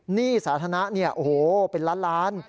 หนี้สาธารณะเนี่ยโอ้โหเป็นล้านล้าน